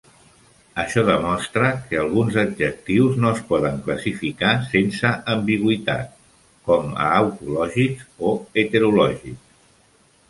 Això demostra que alguns adjectius no es poden classificar sense ambigüitat com a autològics o heterològics.